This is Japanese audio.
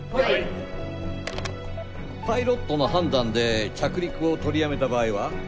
パイロットの判断で着陸を取りやめた場合は？